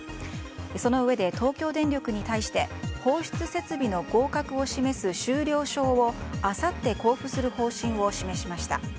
そのうえで東京電力に対して放出設備の合格を示す終了証をあさって交付する方針を示しました。